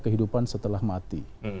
kehidupan setelah mati